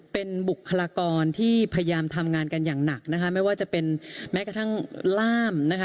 เป็นบุคลากรที่พยายามทำงานกันอย่างหนักนะคะไม่ว่าจะเป็นแม้กระทั่งล่ามนะคะ